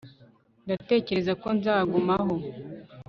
ndatekereza ko nzagumaho